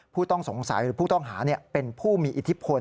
ผู้ต้องสงสัยหรือผู้ต้องหาเป็นผู้มีอิทธิพล